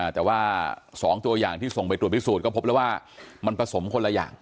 แต่ว่า๒ตัวอย่างที่ส่งไปตรวจพิสูจนก็พบแล้วว่ามันผสมคนละอย่าง